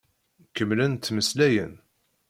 Kemmlen ttmeslayen.